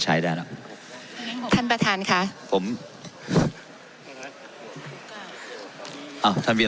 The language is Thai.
ไม่ได้เป็นประธานคณะกรุงตรี